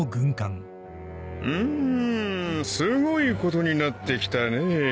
んーすごいことになってきたねぇ。